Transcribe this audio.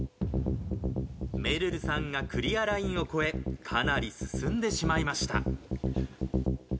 めるるさんがクリアラインを越えかなり進んでしまいました。